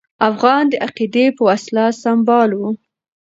افغانان د عقیدې په وسله سمبال وو.